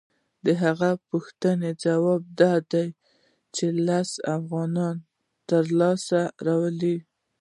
د دې پوښتنې ځواب دا دی چې لس افغانۍ لاسته راوړي